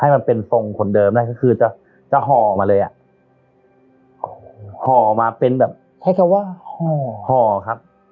มันเป็นทรงคนเดิมได้ก็คือจะจะห่อมาเลยอ่ะห่อมาเป็นแบบใช้คำว่าห่อห่อครับ